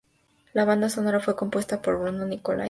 La banda sonora fue compuesta por Bruno Nicolai.